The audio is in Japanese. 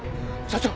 社長！